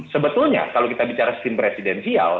sebetulnya kalau kita bicara skin presidenial